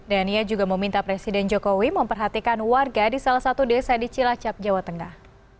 dan ia juga meminta presiden jokowi memperhatikan warga di salah satu desa di cilacap jawa tengah